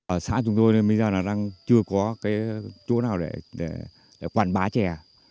ở xã chúng tôi bây giờ là chưa có chỗ nào để quản bá chè